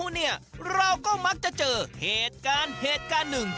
เราก็มักจะเจอเหตุการณ์หนึ่ง